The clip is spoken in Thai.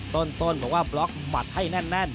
ต้นบอกว่าบล็อกหมัดให้แน่น